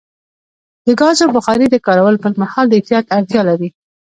د ګازو بخاري د کارولو پر مهال د احتیاط اړتیا لري.